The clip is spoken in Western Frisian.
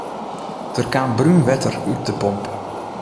Der kaam brún wetter út de pomp.